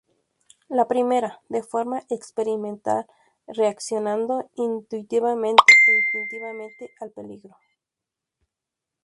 La primera, de forma experimental, reaccionando intuitivamente e instintivamente al peligro.